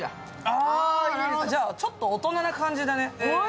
じゃあちょっと大人な感じだね。